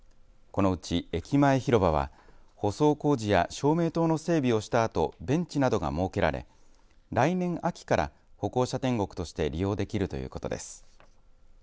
このうち駅前広場は舗装工事や照明灯の整備をしたあとベンチなどが設けられ来年秋から歩行者天国として利用できるということです。